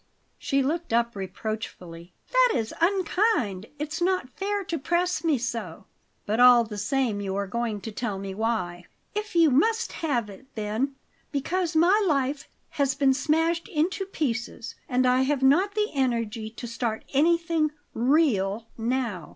She looked up reproachfully. "That is unkind it's not fair to press me so." "But all the same you are going to tell me why." "If you must have it, then because my life has been smashed into pieces, and I have not the energy to start anything REAL, now.